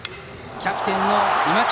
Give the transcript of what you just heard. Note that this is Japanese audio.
キャプテンの今北。